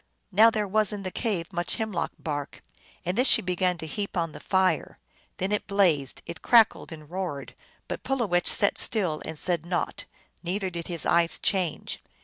Now there was in the cave much hemlock bark, and this she began to heap on the fire. Then it blazed, it crackled and roared ; but Pulowech sat still, and said naught, neither did his eyes change.